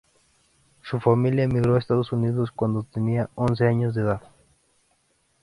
Su familia emigró a Estados Unidos cuando tenía once años de edad.